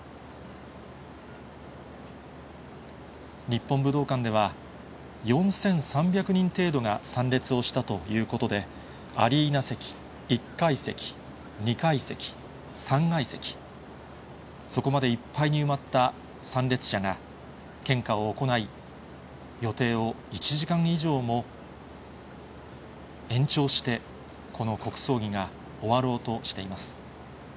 日本武道館では、４３００人程度が参列をしたということで、アリーナ席、１階席、２階席、３階席、そこまでいっぱいに埋まった参列者が献花を行い、予定を１時間以上も延長して、この国葬儀が終わろうとしています。